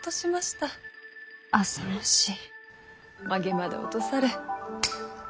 髷まで落とされ。